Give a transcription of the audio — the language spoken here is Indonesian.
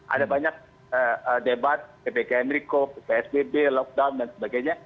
ada banyak debat ppk nrico psbb lockdown dan sebagainya